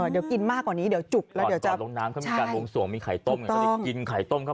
เดี๋ยวกินมากกว่านี้เดี๋ยวจุกแล้วเดี๋ยวจะใช่ถูกต้อง